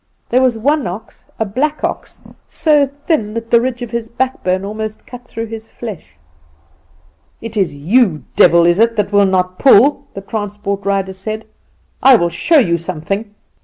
There was one ox, a black ox, so thin that the ridge of his backbone almost cut through his flesh. "'It is you, devil, is it, that will not pull?' the transport rider said. 'I will show you something.